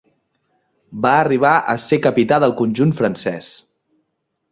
Va arribar a ser capità del conjunt francès.